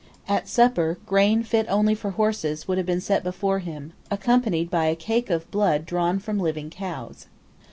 At supper grain fit only for horses would have been set before him, accompanied by a cake of blood drawn from living cows.